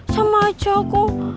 sama aja aku